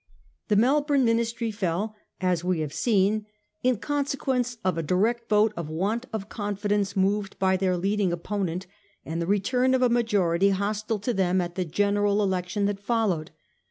The Melbourne Ministry fell, as we have seen, in consequence of a direct vote of want of confidence moved by their leading opponent, and the return of a majority hostile to them at the general election that followed.